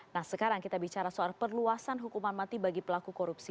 nah sekarang kita bicara soal perluasan hukuman mati bagi pelaku korupsi